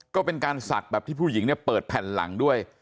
ก็เป็นการศักดิ์แบบที่ผู้หญิงเนี่ยเปิดแผ่นหลังด้วย